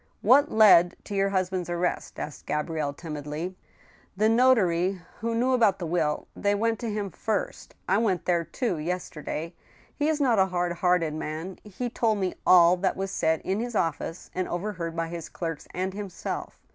" What led to your husband's arrest ?" asked Gabrielle, tim idly. " The notary who knew about the will They went to him first. I went there, too, yesterday. He is not a hard hearted man. He told me all that was said in his office, and overheard by his clerks and himself.